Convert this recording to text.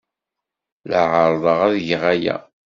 La ɛerrḍeɣ ad geɣ aya.